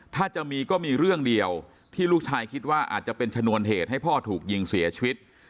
ถ้าจะมีก็มีเรื่องเดียวที่ลูกชายคิดว่าอาจจะเป็นชนวนเหตุให้พ่อถูกยิงเสียชีวิต